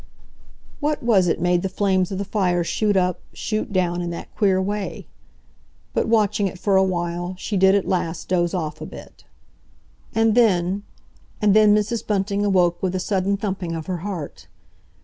What was it made the flames of the fire shoot up, shoot down, in that queer way? But watching it for awhile, she did at last doze off a bit. And then—and then Mrs. Bunting woke with a sudden thumping of her heart.